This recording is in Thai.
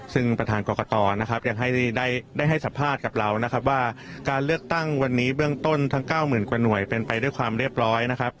ซึ่งประธานกรกตนะครับยังให้ได้ให้สัมภาษณ์กับเรานะครับว่าการเลือกตั้งวันนี้เบื้องต้นทั้ง๙๐๐กว่าหน่วยเป็นไปด้วยความเรียบร้อยนะครับ